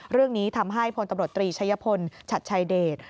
เรื่องนี้ทำให้พตศชัยพลชัดชายเดช